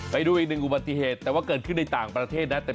ไปดูอีกหนึ่งอุบัติเหตุแต่ว่าเกิดขึ้นในต่างประเทศนะ